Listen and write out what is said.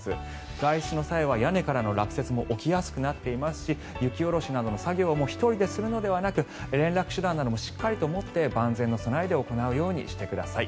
外出の際は屋根からの落雪も起きやすくなっていますし雪下ろしなどの作業も１人でするのではなく連絡手段などもしっかり持って万全の備えで行うようにしてください。